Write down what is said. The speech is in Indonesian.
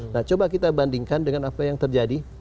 nah coba kita bandingkan dengan apa yang terjadi